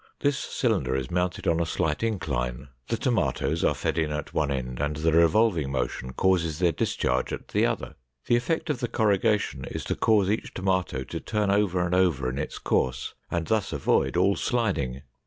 This cylinder is mounted on a slight incline. The tomatoes are fed in at one end and the revolving motion causes their discharge at the other. The effect of the corrugation is to cause each tomato to turn over and over in its course and thus avoid all sliding.